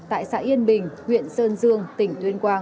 tại xã yên bình huyện sơn dương tỉnh tuyên quang